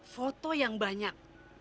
foto yang banyak